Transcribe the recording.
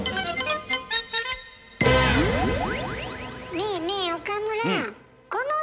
ねえねえ岡村。